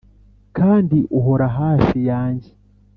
kandi uhora hafi yanjye.